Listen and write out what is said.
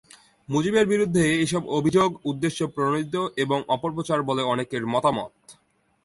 মুজিবের বিরুদ্ধে এসব অভিযোগ উদ্দেশ্যপ্রণোদিত এবং অপপ্রচার বলে অনেকের মতামত।